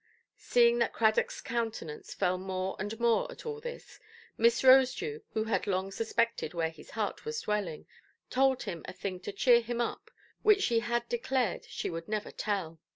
Seeing that Cradockʼs countenance fell more and more at all this, Miss Rosedew, who had long suspected where his heart was dwelling, told him a thing to cheer him up, which she had declared she would never tell.